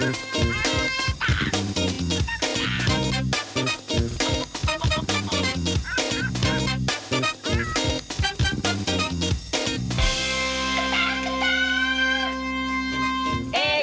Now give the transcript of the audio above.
อัทธิสตาล